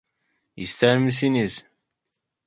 İster misiniz?